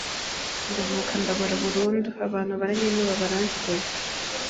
ndanuka ndabora burundu abantu baranyinuba baranjugunya